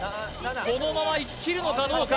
このままいききるのかどうか？